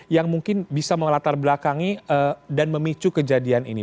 yang mungkin bisa melatar belakangi dan memicu kejadian ini